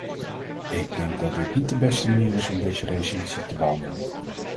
Ik denk dat dit niet de beste manier is om deze resolutie te behandelen.